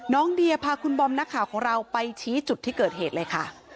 น้องเดียพาคุณบอมนักข่าวของเราไปชี้จุดที่เกิดเหตุเลยค่ะ